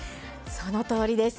そのとおりです。